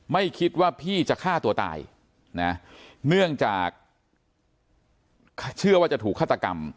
ไม่คิดว่าพี่จะฆ่าตัวตายนะเนื่องจากเชื่อว่าจะถูกฆาตกรรม